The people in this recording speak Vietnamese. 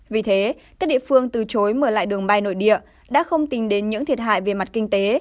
vì thế các địa phương từ chối mở lại đường bay nội địa đã không tính đến những thiệt hại về mặt kinh tế